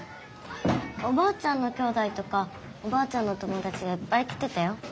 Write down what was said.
おばあちゃんのきょうだいとかおばあちゃんの友だちがいっぱい来てたよ。